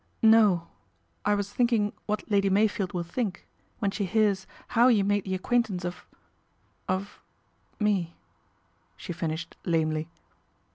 " No, I was thinking what Lady Mey field will think when she hears how you made the acquaint ance of of me," she finished lamely.